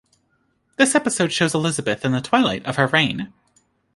This episode shows Elizabeth in the twilight of her reign.